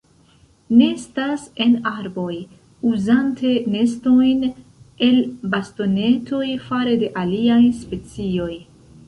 Nestas en arboj, uzante nestojn el bastonetoj fare de aliaj specioj.